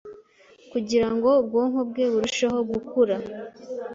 kugira ngo ubwonko bwe burusheho gukura